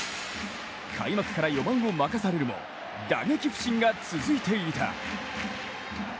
開幕から４番を任されるも打撃不振が続いていた。